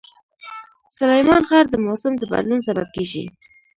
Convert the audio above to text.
سلیمان غر د موسم د بدلون سبب کېږي.